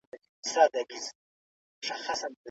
په الوتکه کې د بیلا بیلو کلتورونو خلک سره یو ځای ناست وو.